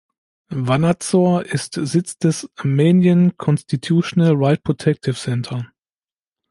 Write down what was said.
Wanadsor ist Sitz des Armenian Constitutional Right-Protective Centre.